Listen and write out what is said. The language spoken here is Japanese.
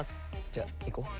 じゃあいこう。